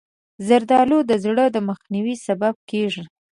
زردالو د زړو د مخنیوي سبب کېږي.